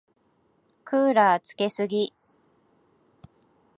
クーラーつけすぎ。